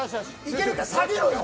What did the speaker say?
いけるから下げろよ！